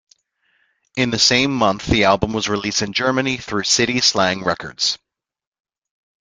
In the same month the album was released in Germany through City Slang Records.